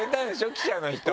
記者の人は。